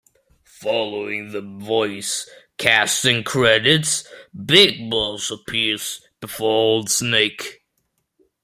Following the voice casting credits, Big Boss appears before Old Snake.